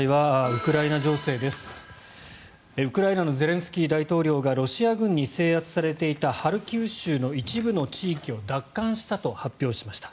ウクライナのゼレンスキー大統領がロシア軍に制圧されていたハルキウ州の一部の地域を奪還したと発表しました。